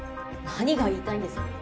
何が言いたいんです？